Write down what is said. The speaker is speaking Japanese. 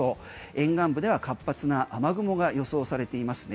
沿岸部では活発な雨雲が予想されていますね。